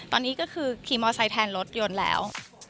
ตอนนี้ก็คือขี่มอไซคแทนรถยนต์แล้ว